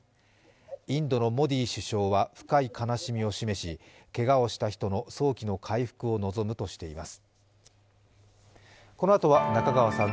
インドのモディ首相は深い悲しみを示しけがをした人の早期の回復を望むとしています。